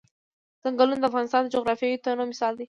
ځنګلونه د افغانستان د جغرافیوي تنوع مثال دی.